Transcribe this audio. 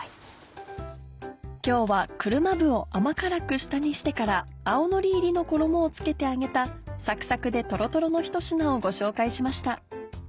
今日は車麩を甘辛く下煮してから青のり入りの衣を付けて揚げたサクサクでトロトロのひと品をご紹介しました。